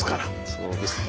そうですね。